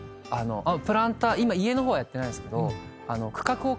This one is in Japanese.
プランター今家の方はやってないんですけど。